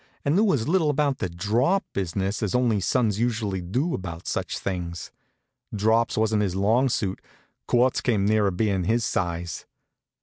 and knew as little about the "Drop" business as only sons usually do about such things. Drops wa'n't his long suit; quarts came nearer being his size.